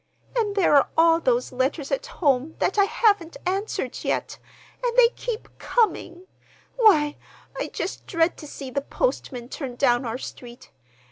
And there are all those letters at home that I haven't answered yet; and they keep coming—why, I just dread to see the postman turn down our street.